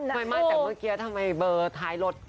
ไม่มากแต่เมื่อกี้ทำไมเบอร์ไทยด้วยนะเนี่ย